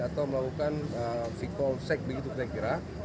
atau melakukan v call sex begitu kira kira